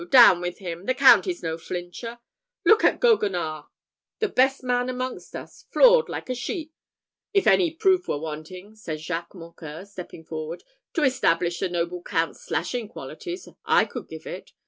down with him! the Count is no flincher; look at Goguenard, the best man amongst us, floored like a sheep!" "If any proof were wanting," said Jacques Mocqueur, stepping forward, "to establish the noble Count's slashing qualities, I could give it.